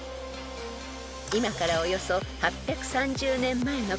［今からおよそ８３０年前のこの日］